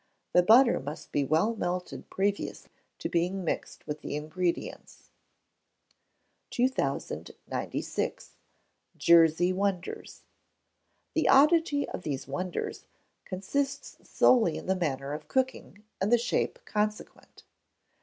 The butter must be well melted previous to being mixed with the ingredients. 2096. "Jersey Wonders." The oddity of these "wonders" consists solely in the manner of cooking, and the shape consequent.